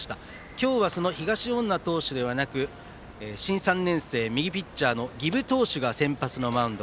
今日はその東恩納投手ではなく新３年生、右ピッチャーの儀部投手が先発マウンド。